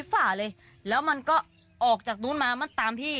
ฝ่าเลยแล้วมันก็ออกจากนู้นมามันตามพี่